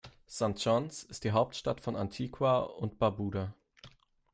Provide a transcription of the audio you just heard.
St. John’s ist die Hauptstadt von Antigua und Barbuda.